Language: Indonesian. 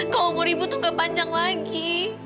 keumur ibu tuh gak panjang lagi